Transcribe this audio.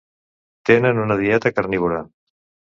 Tenen una dieta carnívora.